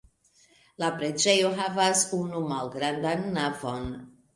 La preĝejo havas unu malgrandan navon.